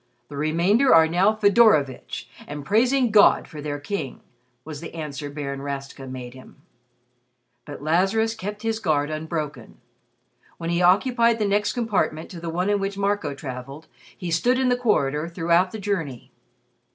The remainder are now Fedorovitch and praising God for their King," was the answer Baron Rastka made him. But Lazarus kept his guard unbroken. When he occupied the next compartment to the one in which Marco traveled, he stood in the corridor throughout the journey.